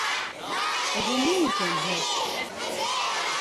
E do, mu ikum hek?